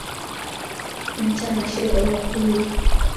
انسان اشرفُ المخلوقَ